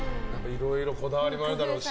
いろいろこだわりもあるだろうし。